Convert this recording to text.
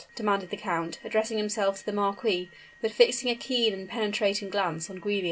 demanded the count, addressing himself to the marquis, but fixing a keen and penetrating glance on Giulia.